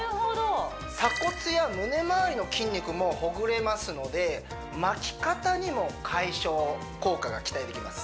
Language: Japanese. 鎖骨や胸回りの筋肉もほぐれますので巻き肩にも解消効果が期待できます